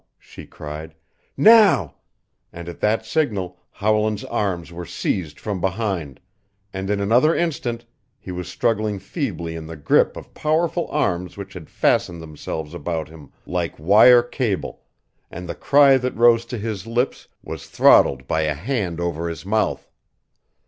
she cried. "Now!" and at that signal Howland's arms were seized from behind, and in another instant he was struggling feebly in the grip of powerful arms which had fastened themselves about him like wire cable, and the cry that rose to his lips was throttled by a hand over his mouth.